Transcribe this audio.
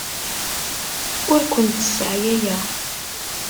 Ur kent-sseɛyayeɣ.